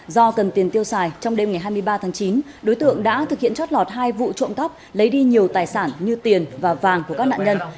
do cần tiền tiêu xài trong đêm ngày hai mươi ba tháng chín đối tượng đã thực hiện chót lọt hai vụ trộm cắp lấy đi nhiều tài sản như tiền và vàng của các nạn nhân